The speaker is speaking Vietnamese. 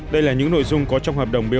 đây là những nội dung có trong hợp đồng bot